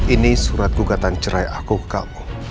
ini surat gugatan cerai aku kamu